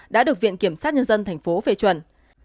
đã được viện kiểm sát nhân dân tp phê chuẩn